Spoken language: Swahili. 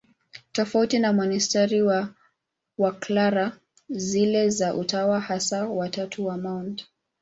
Tofauti na monasteri za Waklara, zile za Utawa Hasa wa Tatu wa Mt.